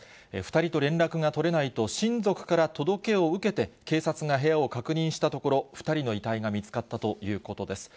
２人と連絡が取れないと、親族から届けを受けて、警察が部屋を確認したところ、２人の遺体が見つかったということです。